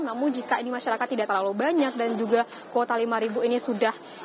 namun jika ini masyarakat tidak terlalu banyak dan juga kuota lima ini sudah